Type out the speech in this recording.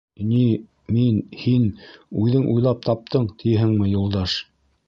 Ни, мин, һин, үҙең уйлап таптың, тиһеңме, Юлдаш?..